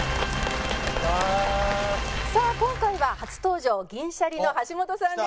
さあ今回は初登場銀シャリの橋本さんです。